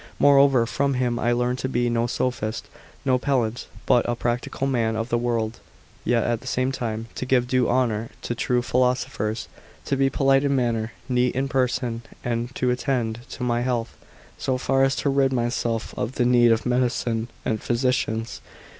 Moreover, from him I learned to be no sophist, no pe<lant ; but u practical man of the world ; yet, at the same time, to give due honour to true philosophers ; to be polite in manner, neat in person, and ro attend to my health so far as to rid myself of the need of medicine and physicians.